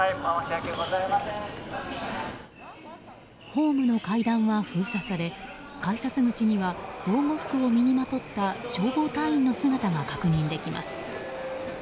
ホームの階段は封鎖され改札口には防護服を身にまとった消防隊員の姿が確認できます。